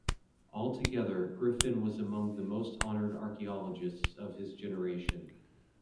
Altogether, Griffin was among the most honored archaeologists of his generation.